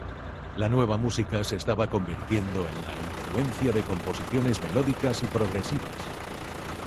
La nueva música se estaba convirtiendo en la influencia de composiciones melódicas y progresivas.